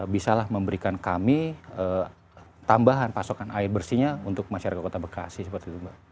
bisalah memberikan kami tambahan pasokan air bersihnya untuk masyarakat kota bekasi seperti itu mbak